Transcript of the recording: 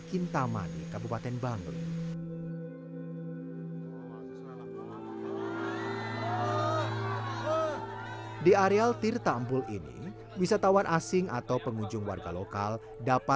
kintamani kabupaten bangun di areal tirtaempul ini wisatawan asing atau pengunjung warga luar negara